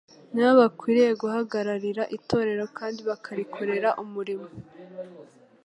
ni bo bakwiriye guhagararira Itorero kandi bakarikorera umurimo.